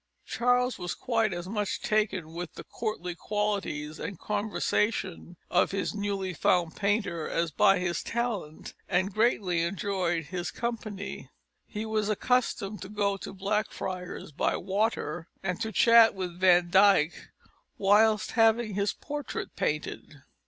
Charles was quite as much taken with the courtly qualities and conversation of his newly found painter as by his talent, and greatly enjoyed his company. He was accustomed to go to Blackfriars by water, and to chat with Van Dyck whilst having his portrait painted.